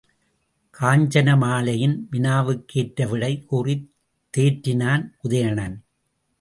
காஞ்சனமாலையின் வினாவுக்கு ஏற்ற விடை கூறித் தேற்றினான் உதயணன்.